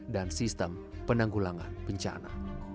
dan sistem penanggulangan bencana